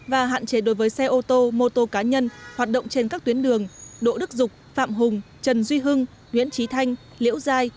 và hạn chế đối với xe ô tô mô tô cá nhân hoạt động trên các tuyến đường đỗ đức dục phạm hùng trần duy hưng nguyễn trí thanh liễu giai